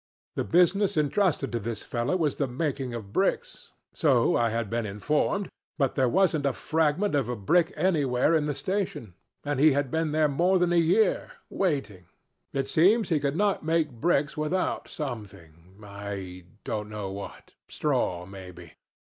The business intrusted to this fellow was the making of bricks so I had been informed; but there wasn't a fragment of a brick anywhere in the station, and he had been there more than a year waiting. It seems he could not make bricks without something, I don't know what straw maybe.